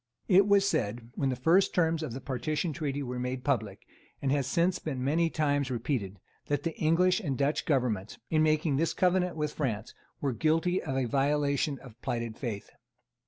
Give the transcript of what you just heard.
It was said, when first the terms of the Partition Treaty were made public, and has since been many times repeated, that the English and Dutch Governments, in making this covenant with France, were guilty of a violation of plighted faith.